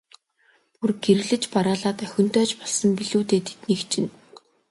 Бүр гэрлэж бараалаад охинтой ч болсон билүү дээ, тэднийх чинь.